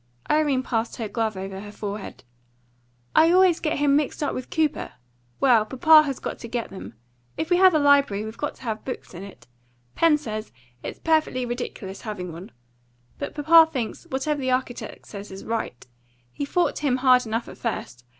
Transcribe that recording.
Irene passed her glove over her forehead. "I always get him mixed up with Cooper. Well, papa has got to get them. If we have a library, we have got to have books in it. Pen says it's perfectly ridiculous having one. But papa thinks whatever the architect says is right. He fought him hard enough at first.